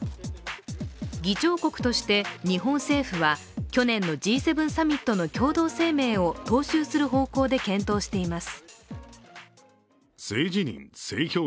議長国として日本政府は去年のＧ７サミットの共同声明を踏襲する方向で検討しています。